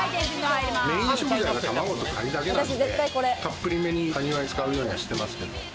メイン食材は卵とカニだけなんで、たっぷりめにカニは使うようにしています。